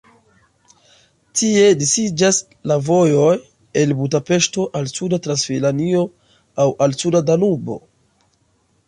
Tie disiĝas la vojoj el Budapeŝto al suda Transilvanio aŭ al suda Danubo.